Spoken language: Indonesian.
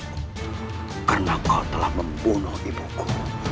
karena kau telah membunuh ibuku